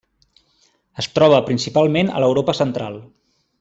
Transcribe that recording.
Es troba principalment a l'Europa Central.